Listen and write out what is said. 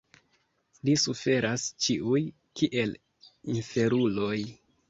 Ni suferas ĉiuj kiel inferuloj.